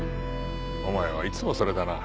お前はいつもそれだな。